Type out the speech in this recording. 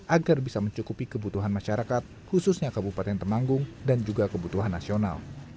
agar bisa mencukupi kebutuhan masyarakat khususnya kabupaten temanggung dan juga kebutuhan nasional